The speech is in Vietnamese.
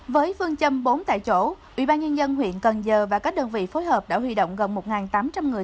với phương châm bốn tại chỗ ủy ban nhân dân huyện cần giờ và các đơn vị phối hợp đã huy động gần một tám trăm linh người